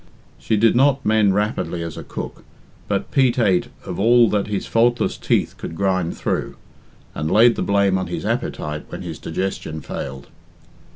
She did not mend rapidly as a cook, but Pete ate of all that his faultless teeth could grind through, and laid the blame on his appetite when his digestion failed.